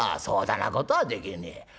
そだなことはできねえ」。